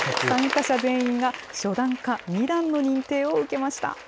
参加者全員が初段か２段の認定を受けました。